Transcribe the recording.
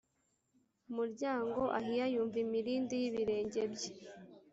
muryango ahiya yumva imirindi y ibirenge bye